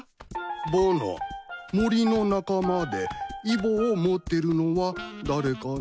ぼの森の仲間でイボを持ってるのは誰かな？